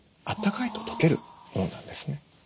あったかいと溶けるものなんですね。